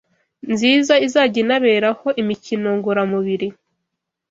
nziza izajya inaberaho imikino ngoramubiri